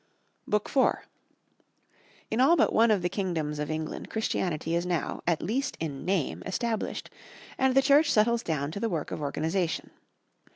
BOOK IV.—In all but one of the kingdoms of England Christianity is now, at least in name, established, and the Church settles down to the work of organization.